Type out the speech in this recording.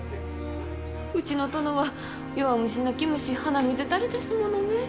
うちの殿は弱虫泣き虫鼻水垂れですものね。